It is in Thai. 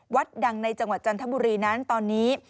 วัดดังในจังหวัดจันทบุรีนั้นตอนนี้